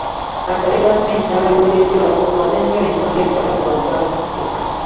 Asabye gavumenti n'abalondeddwa basoosowaze nnyo ensonga ezikwata ku bantu baabulijjo